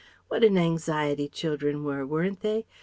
What an anxiety children were, weren't they?